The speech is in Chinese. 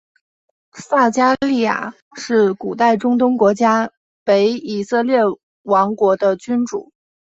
撒迦利雅是古代中东国家北以色列王国的君主。